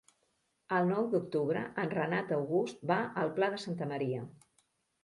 El nou d'octubre en Renat August va al Pla de Santa Maria.